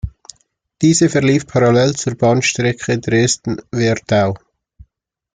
Diese verlief parallel zur Bahnstrecke Dresden–Werdau.